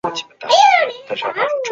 礁坡上生长着石珊瑚和软珊瑚。